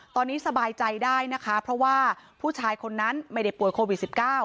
ตอนนี้สบายใจได้นะคะเพราะว่าผู้ชายคนนั้นไม่ได้ป่วยโควิด๑๙